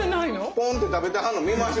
ポンって食べてはんの見ました。